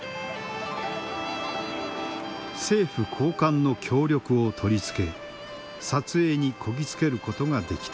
政府高官の協力を取り付け撮影にこぎ着けることができた。